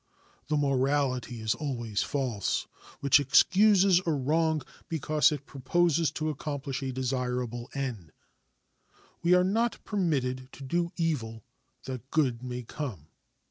The morality is always false which excuses a wrong because it proposes to accomplish a desirable end. We are not permitted to do evil that good may come.